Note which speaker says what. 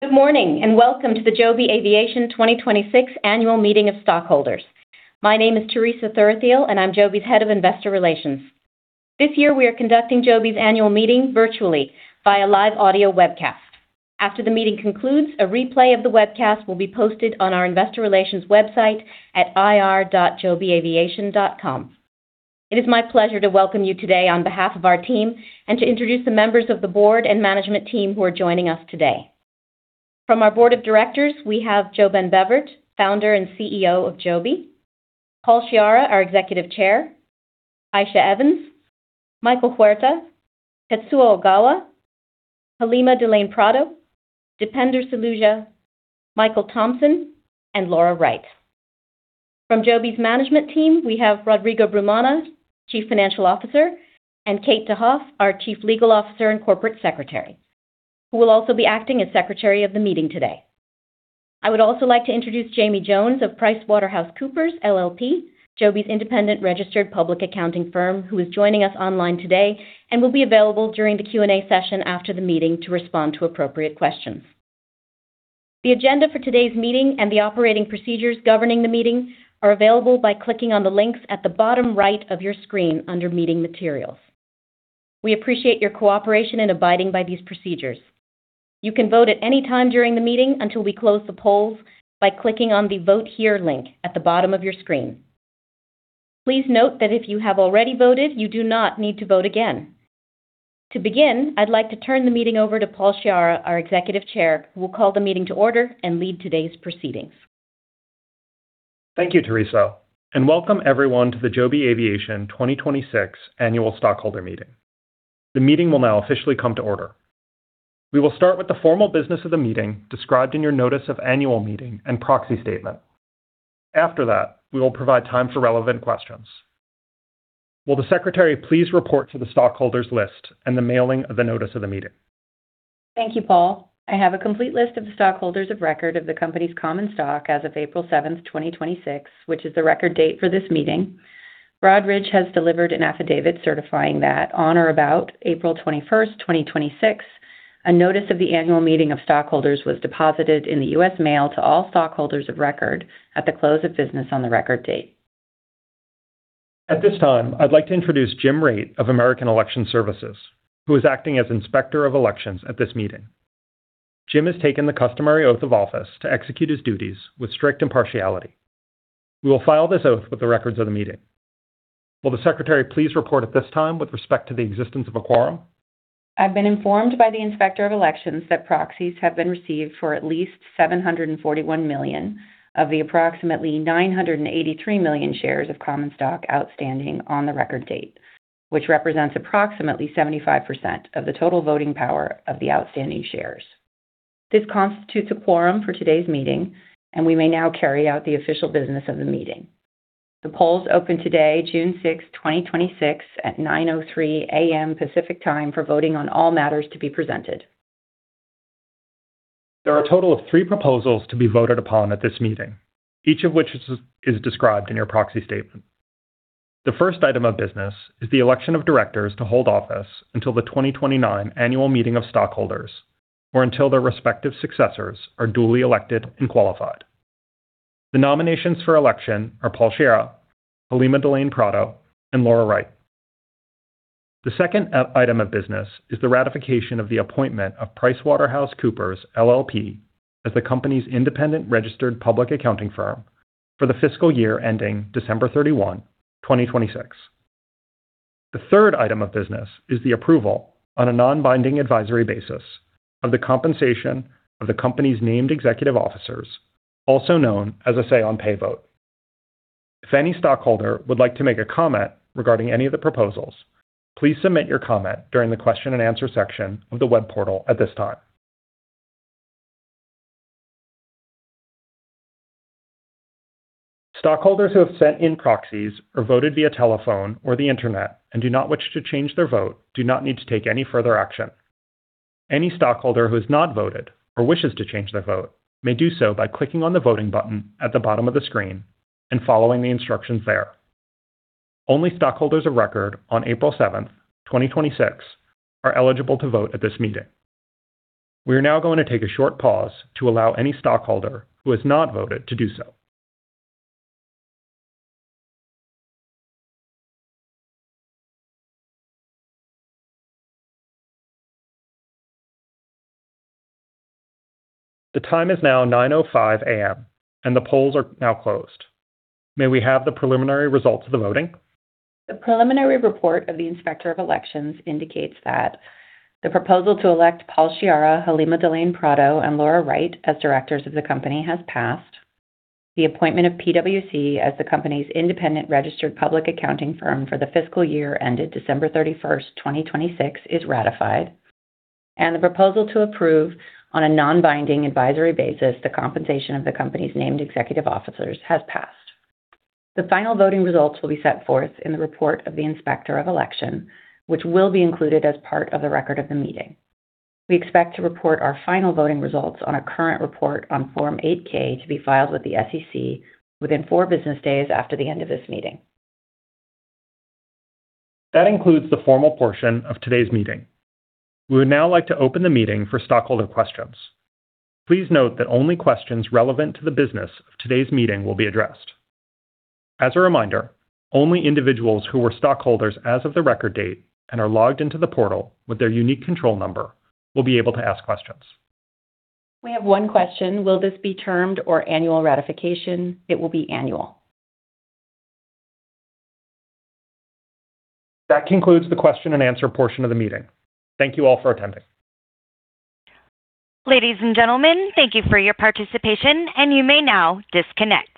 Speaker 1: Good morning, welcome to the Joby Aviation 2026 annual meeting of stockholders. My name is Teresa Thuruthiyil, and I'm Joby's Head of Investor Relations. This year, we are conducting Joby's annual meeting virtually via live audio webcast. After the meeting concludes, a replay of the webcast will be posted on our investor relations website at ir.jobyaviation.com. It is my pleasure to welcome you today on behalf of our team and to introduce the members of the board and management team who are joining us today. From our Board of Directors, we have JoeBen Bevirt, Founder and Chief Executive Officer of Joby, Paul Sciarra, our Executive Chairman, Aicha Evans, Michael Huerta, Tetsuo Ogawa, Halimah DeLaine Prado, Dipender Saluja, Michael Thompson, and Laura Wright. From Joby's management team, we have Rodrigo Brumana, Chief Financial Officer, and Kate DeHoff, our Chief Legal Officer and Corporate Secretary, who will also be acting as Secretary of the meeting today. I would also like to introduce Jamie Jones of PricewaterhouseCoopers, LLP, Joby's independent registered public accounting firm, who is joining us online today and will be available during the Q&A session after the meeting to respond to appropriate questions. The agenda for today's meeting and the operating procedures governing the meeting are available by clicking on the links at the bottom right of your screen under Meeting Materials. We appreciate your cooperation in abiding by these procedures. You can vote at any time during the meeting until we close the polls by clicking on the Vote Here link at the bottom of your screen. Please note that if you have already voted, you do not need to vote again. To begin, I'd like to turn the meeting over to Paul Sciarra, our Executive Chair, who will call the meeting to order and lead today's proceedings.
Speaker 2: Thank you, Teresa, welcome everyone to the Joby Aviation 2026 annual stockholder meeting. The meeting will now officially come to order. We will start with the formal business of the meeting described in your notice of annual meeting and proxy statement. After that, we will provide time for relevant questions. Will the secretary please report to the stockholders list and the mailing of the notice of the meeting?
Speaker 3: Thank you, Paul. I have a complete list of the stockholders of record of the company's common stock as of April seventh, 2026, which is the record date for this meeting. Broadridge has delivered an affidavit certifying that on or about April 21st, 2026, a notice of the annual meeting of stockholders was deposited in the U.S. mail to all stockholders of record at the close of business on the record date.
Speaker 2: At this time, I'd like to introduce Jim Raitt of American Election Services, LLC, who is acting as Inspector of Elections at this meeting. Jim has taken the customary oath of office to execute his duties with strict impartiality. We will file this oath with the records of the meeting. Will the secretary please report at this time with respect to the existence of a quorum?
Speaker 3: I've been informed by the Inspector of Elections that proxies have been received for at least 741 million of the approximately 983 million shares of common stock outstanding on the record date, which represents approximately 75% of the total voting power of the outstanding shares. This constitutes a quorum for today's meeting, and we may now carry out the official business of the meeting. The polls open today, June 6, 2026, at 9:03 A.M. Pacific Time for voting on all matters to be presented. There are a total of three proposals to be voted upon at this meeting, each of which is described in your proxy statement. The first item of business is the election of directors to hold office until the 2029 annual meeting of stockholders or until their respective successors are duly elected and qualified. The nominations for election are Paul Sciarra, Halimah DeLaine Prado, and Laura Wright. The second item of business is the ratification of the appointment of PricewaterhouseCoopers LLP as the company's independent registered public accounting firm for the fiscal year ending December 31, 2026. The third item of business is the approval on a non-binding advisory basis of the compensation of the company's named executive officers, also known as a say on pay vote.
Speaker 2: If any stockholder would like to make a comment regarding any of the proposals, please submit your comment during the question and answer section of the web portal at this time. Stockholders who have sent in proxies or voted via telephone or the internet and do not wish to change their vote do not need to take any further action. Any stockholder who has not voted or wishes to change their vote may do so by clicking on the voting button at the bottom of the screen and following the instructions there. Only stockholders of record on April seventh, 2026 are eligible to vote at this meeting. We are now going to take a short pause to allow any stockholder who has not voted to do so. The time is now 9:05 A.M., and the polls are now closed. May we have the preliminary results of the voting?
Speaker 3: The preliminary report of the Inspector of Elections indicates that the proposal to elect Paul Sciarra, Halimah DeLaine Prado, and Laura Wright as directors of the company has passed. The appointment of PwC as the company's independent registered public accounting firm for the fiscal year ended December 31st, 2026 is ratified, and the proposal to approve on a non-binding advisory basis the compensation of the company's named executive officers has passed. The final voting results will be set forth in the report of the Inspector of Election, which will be included as part of the record of the meeting. We expect to report our final voting results on a current report on Form 8-K to be filed with the SEC within four business days after the end of this meeting.
Speaker 2: That includes the formal portion of today's meeting. We would now like to open the meeting for stockholder questions. Please note that only questions relevant to the business of today's meeting will be addressed. As a reminder, only individuals who were stockholders as of the record date and are logged into the portal with their unique control number will be able to ask questions.
Speaker 1: We have one question: Will this be termed or annual ratification? It will be annual.
Speaker 2: That concludes the question and answer portion of the meeting. Thank you all for attending.
Speaker 4: Ladies and gentlemen, thank you for your participation, and you may now disconnect.